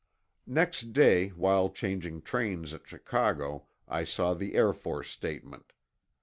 Next day, while changing trains at Chicago, I saw the Air Force statement.